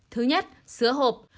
thứ nhất sứa hộp